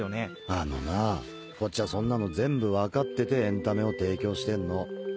あのなこっちはそんなの全部わかっててエンタメを提供してんの。